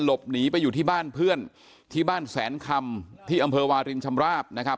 หลบหนีไปอยู่ที่บ้านเพื่อนที่บ้านแสนคำที่อำเภอวารินชำราบนะครับ